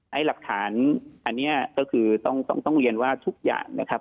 หลักฐานอันนี้ก็คือต้องเรียนว่าทุกอย่างนะครับ